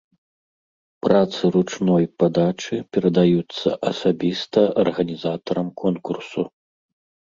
Працы ручной падачы перадаюцца асабіста арганізатарам конкурсу.